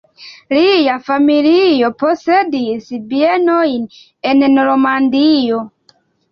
Lia familio posedis bienojn en Normandio.